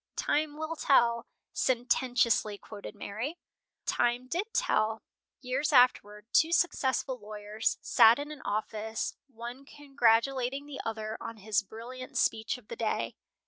"'Time will tell,'" sententiously quoted Mary. Time did tell. Years afterward two successful lawyers sat in an office, one congratulating the other on his brilliant speech of the day.